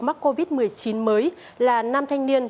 mắc covid một mươi chín mới là nam thanh niên